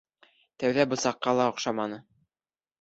Тәүҙә бысаҡҡа ла оҡшатманы.